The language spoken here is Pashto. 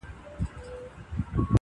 ځان د مرګي غیږي ته مه ورکوی خپل په لاس-